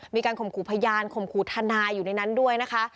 ข่มขู่พยานข่มขู่ทนายอยู่ในนั้นด้วยนะคะ